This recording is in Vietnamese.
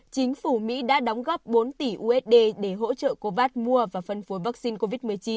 chính phủ mỹ đã đóng góp bốn tỷ usd để hỗ trợ covas mua và phân phối vaccine covid một mươi chín